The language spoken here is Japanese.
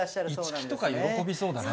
市來とか、喜びそうだね。